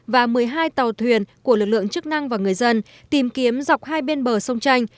và một mươi hai tàu thuyền của lực lượng chức năng và người dân tìm kiếm dọc hai bên bờ sông chanh